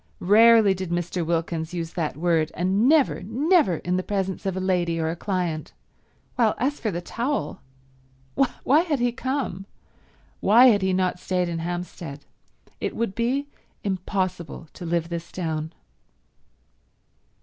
Rarely did Mr. Wilkins use that word, and never, never in the presence of a lady or a client. While as for the towel—why had he come? Why had he not stayed in Hampstead? It would be impossible to live this down.